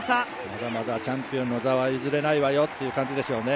まだまだチャンピオンの座は譲れないわよという感じですかね。